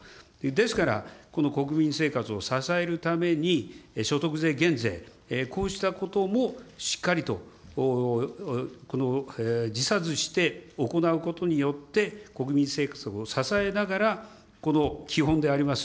ですからこの国民生活を支えるために、所得税減税、こうしたこともしっかりと辞さずして行うことによって、国民生活を支えながら、基本であります